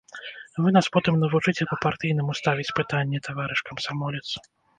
Вы нас потым навучыце па-партыйнаму ставіць пытанні, таварыш камсамолец!